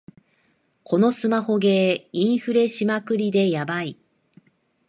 このスマホゲー、インフレしまくりでヤバい